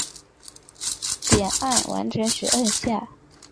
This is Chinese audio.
有时有蕈环。